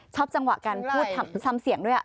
ชอบจังหวะการพูดคำเสี่ยงด้วยอะ